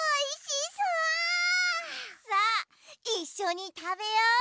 さあいっしょにたべよう！